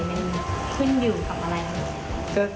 มันขึ้นอยู่กับอะไรครับ